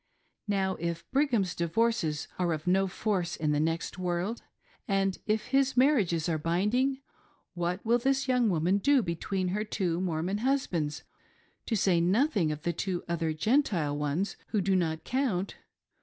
Now if Brigham's divorces are of no force in the next world, and if his marriages are binding, what will this young woman do between her two Mormon husbands — to say nothing of the two other Gentile ones, who "do not count!"